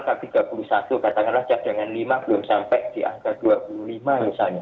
katakanlah jadangan lima belum sampai di angka dua puluh lima misalnya